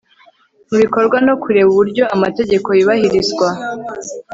mubikorwa no kureba uburyo amategeko yubahirizwa